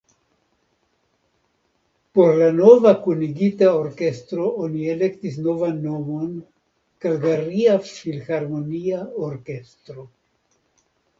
Por la nova kunigita orkestro oni elektis novan nomon: Kalgaria Filharmonia Orkestro.